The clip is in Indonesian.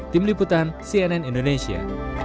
tim liputan cnn indonesia